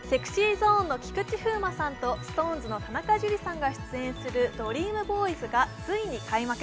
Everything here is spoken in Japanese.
ＳｅｘｙＺｏｎｅの菊池風磨さんとＳｉｘＴＯＮＥＳの田中樹さんが出演する「ＤＲＥＡＭＢＯＹＳ」がついに開幕。